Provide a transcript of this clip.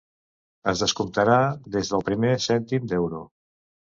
Es descomptarà des del primer cèntim d’euro.